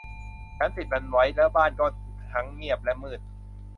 ฉันปิดมันไว้ และบ้านก็ทั้งเงียบและมืด